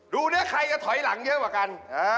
ดูเนื้อใครจะถอยหลังเยอะกว่ากัน